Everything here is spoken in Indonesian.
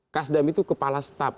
kasdam itu kepala staf